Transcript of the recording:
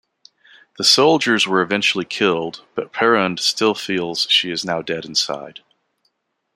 The soldiers were eventually killed, but Perrund still feels she is now dead inside.